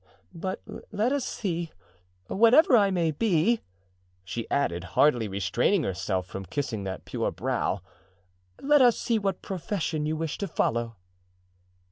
But let us see; whatever I may be," she added, hardly restraining herself from kissing that pure brow, "let us see what profession you wish to follow."